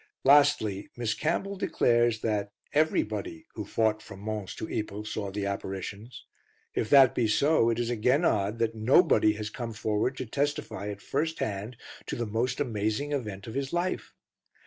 Lastly, Miss Campbell declares that "everybody" who fought from Mons to Ypres saw the apparitions. If that be so, it is again odd that Nobody has come forward to testify at first hand to the most amazing event of his life.